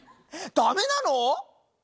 ダメなの！？